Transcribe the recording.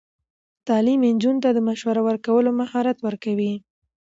تعلیم نجونو ته د مشاوره ورکولو مهارت ورکوي.